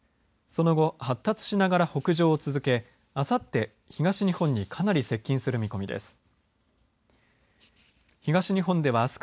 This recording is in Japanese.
その後発達しながら北上を続けあさって東日本にかなり接近する見込みです。